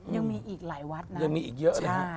ยังมีอีกหลายวัดนะ